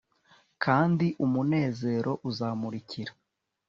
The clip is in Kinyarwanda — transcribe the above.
kandi umunezero uzamurikira